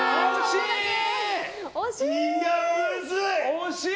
惜しい！